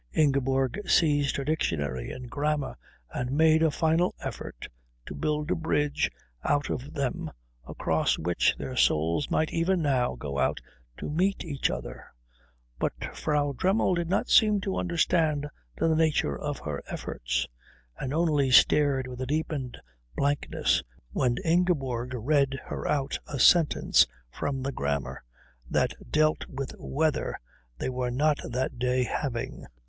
Ingeborg seized her dictionary and grammar and made a final effort to build a bridge out of them across which their souls might even now go out to meet each other, but Frau Dremmel did not seem to understand the nature of her efforts, and only stared with a deepened blankness when Ingeborg read her out a sentence from the grammar that dealt with weather they were not that day having.